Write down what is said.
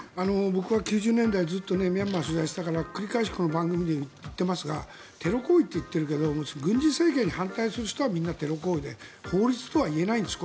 僕は９０年代ずっとミャンマー取材していたから繰り返しこの番組で言っていますがテロ行為と言っているけど軍事政権に反対する人はみんなテロ行為で法律とは言えないんです。